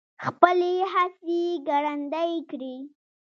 خپلې هڅې ګړندۍ کړي.